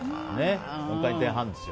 ４回転半ですよ。